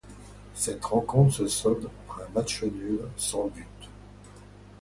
Cette rencontre se solde par un match nul sans but.